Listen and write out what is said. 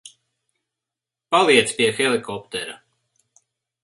Paliec pie helikoptera.